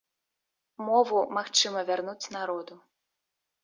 Мову магчыма вярнуць народу.